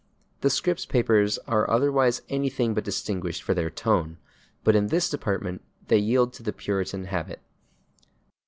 " The Scripps papers are otherwise anything but distinguished for their "tone," but in this department they yield to the Puritan habit.